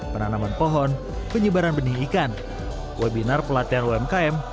penanaman pohon penyebaran benih ikan webinar pelatihan umkm